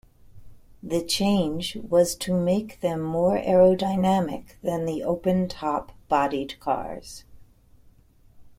The change was to make them more aerodynamic than the open top bodied cars.